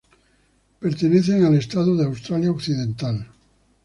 Pertenecen al estado de Australia Occidental.